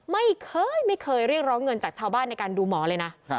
ไม่เคยไม่เคยเรียกร้องเงินจากชาวบ้านในการดูหมอเลยนะ